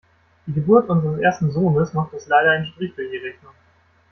Die Geburt unseres ersten Sohnes macht uns leider einen Strich durch die Rechnung.